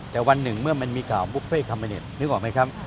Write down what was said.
แต่วันหนึ่งเมื่อมันมีข่าวบุฟเฟ่คอมมิเน็ตนึกออกไหมครับ